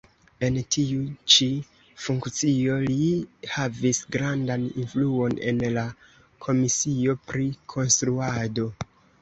En tiu ĉi funkcio li havis grandan influon en la komisio pri konstruado.